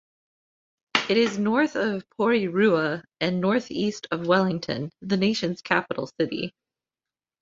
It is north of Porirua and northeast of Wellington, the nation's capital city.